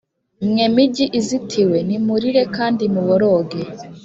Mwe migi izitiwe, nimurire kandi muboroge !